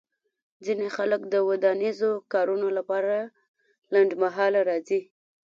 ځینې خلک د ودانیزو کارونو لپاره لنډمهاله راځي